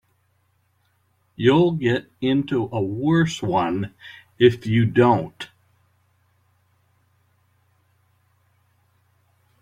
You'll get into a worse one if you don't.